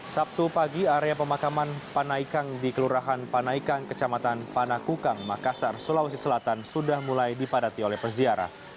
sabtu pagi area pemakaman panaikang di kelurahan panaikang kecamatan panakukang makassar sulawesi selatan sudah mulai dipadati oleh peziarah